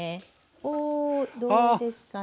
おおどうですかね。